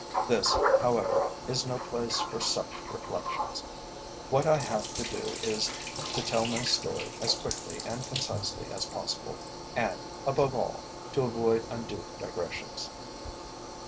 This, however, is no place for such reflections. What I have to do is to tell my story as quickly and concisely as possible, and, above all, to avoid undue digressions.